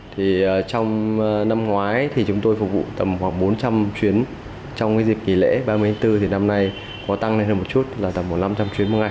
thì trong năm ngoái thì chúng tôi phục vụ tầm khoảng bốn trăm linh chuyến trong cái dịp kỷ lễ ba mươi bốn thì năm nay có tăng lên hơn một chút là tầm bốn trăm linh năm trăm linh chuyến một ngày